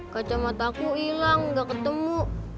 kacamata aku hilang gak ketemu